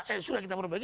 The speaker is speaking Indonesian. eh sudah kita perbaiki